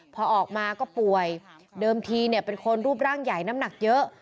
พอออกมาก็ป่วยเดิมทีเป็นคนรูปร่างใหญ่น้ำหนักเยอะ